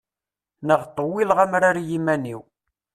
Neɣ ṭṭewwileɣ amrar i yiman-iw.